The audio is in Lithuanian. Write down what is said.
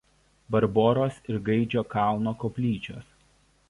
Barboros ir Gaidžio kalno koplyčios.